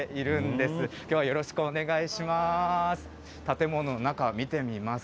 では、よろしくお願いします。